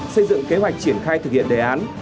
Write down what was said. xây dựng kế hoạch triển khai thực hiện đề án